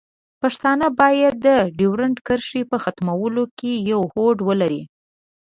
پښتانه باید د ډیورنډ کرښې په ختمولو کې یو هوډ ولري.